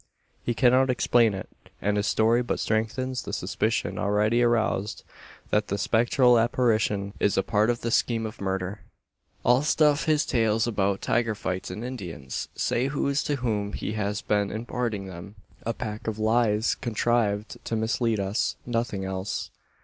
He cannot explain it; and his story but strengthens the suspicion already aroused that the spectral apparition is a part of the scheme of murder! "All stuff his tales about tiger fights and Indians!" say those to whom he has been imparting them. "A pack of lies, contrived to mislead us nothing else."